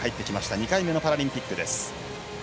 ２回目のパラリンピックです。